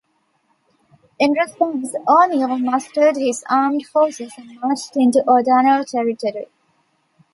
In response, O'Neill mustered his armed forces and marched into O'Donnell territory.